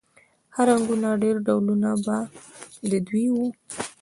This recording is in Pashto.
ښه رنګونه ډېر ډولونه به د دوی و